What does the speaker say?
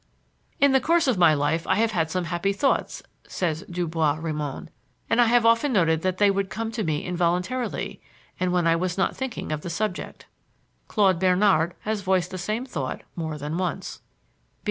"In the course of my life I have had some happy thoughts," says Du Bois Reymond, "and I have often noted that they would come to me involuntarily, and when I was not thinking of the subject." Claude Bernard has voiced the same thought more than once.